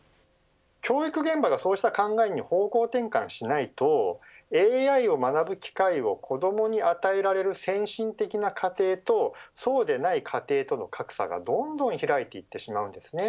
教育現場がそうした考えに方向転換しないとＡＩを学ぶ機会を子どもに与えられる先進的な家庭とそうでない家庭の格差がどんどん開いていってしまいます。